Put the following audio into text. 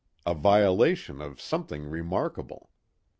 A violation of something remarkable.